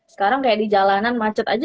sekarang kayak di jalanan macet aja